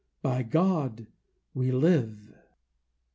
By God, we live!